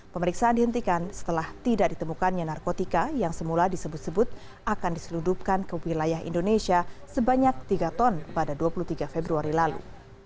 pemeriksaan dihentikan setelah tidak ditemukannya narkotika yang semula disebut sebut akan diseludupkan ke wilayah indonesia sebanyak tiga ton pada dua puluh tiga februari lalu